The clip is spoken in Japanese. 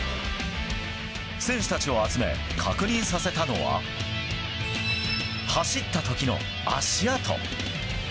選手たちを集め、確認させたのは走った時の足跡。